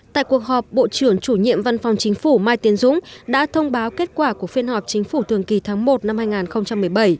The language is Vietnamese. tại cuộc họp bộ trưởng chủ nhiệm văn phòng chính phủ mai tiến dũng đã thông báo kết quả của phiên họp chính phủ thường kỳ tháng một năm hai nghìn một mươi bảy